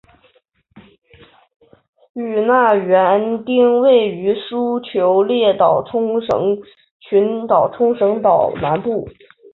与那原町位于琉球列岛冲绳群岛冲绳岛南部。